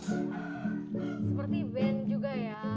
seperti band juga ya